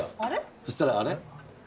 そしたらあれ？